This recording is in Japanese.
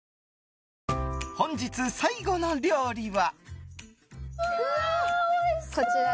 本日最後の料理は。